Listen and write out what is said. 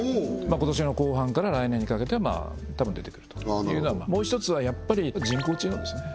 今年の後半から来年にかけてはたぶん出てくるともう一つはやっぱり人工知能ですね